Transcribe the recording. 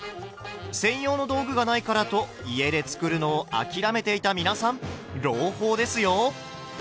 専用の道具がないからと家で作るのを諦めていた皆さん朗報ですよ！